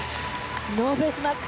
ノーベースマーク。